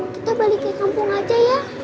kita balik ke kampung aja ya